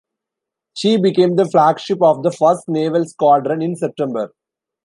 She became the flagship of the First Naval Squadron in September.